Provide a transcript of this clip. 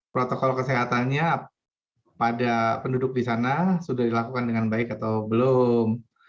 protokol kesehatannya pada penduduk di sana sudah dilakukan dengan baik atau belum